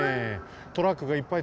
トラックがいっぱい